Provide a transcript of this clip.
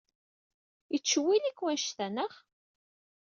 Yettcewwil-ik wannect-a, anaɣ?